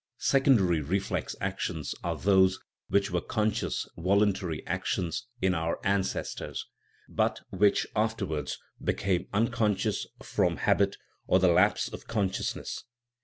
Sec ondary reflex actions are those which were conscious, voluntary actions in our ancestors, but which afterwards became unconscious from habit or the lapse of conscious ness.